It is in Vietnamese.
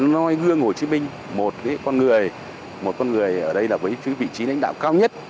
nói gương hồ chí minh một con người ở đây với vị trí lãnh đạo cao nhất